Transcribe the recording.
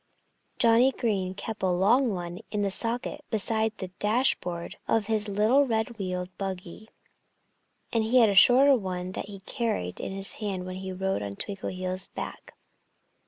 Johnnie Green kept a long one in the socket beside the dashboard of his little red wheeled buggy. And he had a shorter one that he carried in his hand when he rode on Twinkleheels' back.